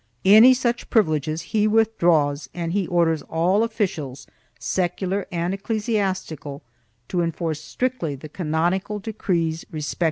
Any such privileges he withdraws and he orders all officials, secular and ecclesiastical, to enforce strictly the canonical decrees respecting 1 Ordenanzas Reales, vm, iii, 1 41.